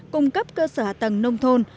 cung cấp cơ sở hạ tầng nông thôn